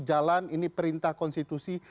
jalan ini perintah konstitusi